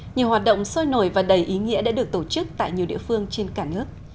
nhiều hoạt động sôi nổi và đầy ý nghĩa đã được tổ chức tại nhiều địa phương trên cả nước